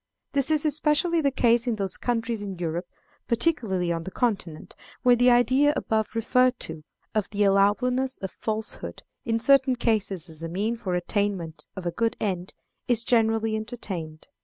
This is especially the case in those countries in Europe, particularly on the Continent, where the idea above referred to, of the allowableness of falsehood in certain cases as a means for the attainment of a good end, is generally entertained.